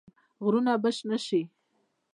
غرونه به شنه شي؟